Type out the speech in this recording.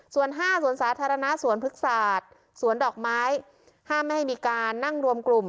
ส่วน๕สวนสาธารณะสวนพฤกษาสวนดอกไม้ห้ามไม่ให้มีการนั่งรวมกลุ่ม